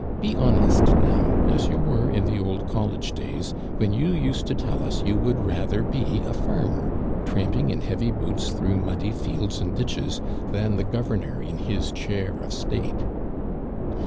Be honest, now, as you were in the old college days, when you used to tell us you would rather be a farmer, tramping in heavy boots through muddy fields and ditches, than the governor in his chair of state."